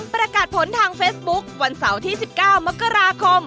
ประกาศผลทางเฟซบุ๊ควันเสาร์ที่๑๙มกราคม